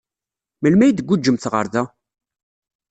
Melmi ay d-tguǧǧemt ɣer da?